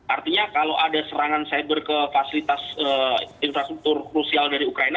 artinya kalau ada serangan cyber ke fasilitas infrastruktur krusial dari ukraina